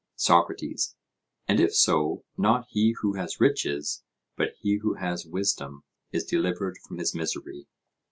SOCRATES: And if so, not he who has riches, but he who has wisdom, is delivered from his misery?